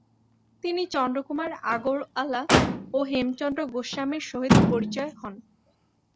তিনি চন্দ্রকুমার আগরয়ালা ও হেমচন্দ্র গোস্বামীর সহিত পরিচয় হন।